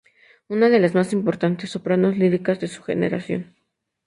Una de las más importantes sopranos líricas de su generación.